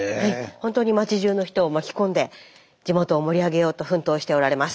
本当に町じゅうの人を巻き込んで地元を盛り上げようと奮闘しておられます。